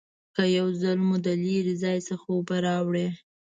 که یو ځل مو د لرې ځای څخه اوبه راوړي